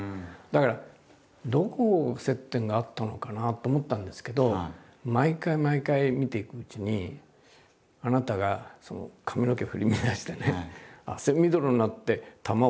だからどこを接点があったのかなと思ったんですけど毎回毎回見ていくうちにあなたが髪の毛振り乱してね